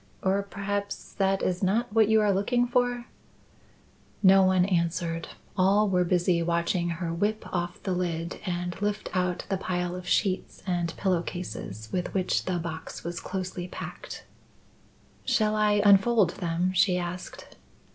Or perhaps that is not what you are looking for?" No one answered. All were busy watching her whip off the lid and lift out the pile of sheets and pillow cases with which the box was closely packed. "Shall I unfold them?" she asked.